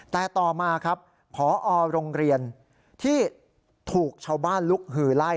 แต่ต่อมาครับพอโรงเรียนที่ถูกชาวบ้านลุกหือไล่